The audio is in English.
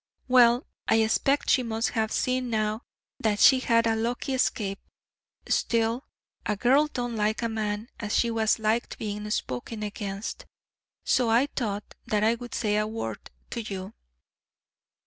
Well, I expect she must have seen now that she had a lucky escape. Still, a girl don't like a man as she has liked being spoken against, so I thought that I would say a word to you."